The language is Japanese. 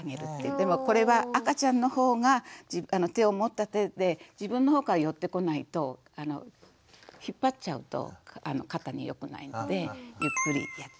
でもこれは赤ちゃんの方が手を持った手で自分の方から寄ってこないと引っ張っちゃうと肩によくないのでゆっくりやって。